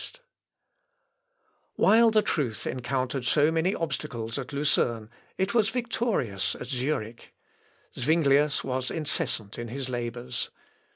] While the truth encountered so many obstacles at Lucerne it was victorious at Zurich. Zuinglius was incessant in his labours.